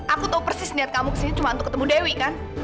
aku tahu persis niat kamu kesini cuma untuk ketemu dewi kan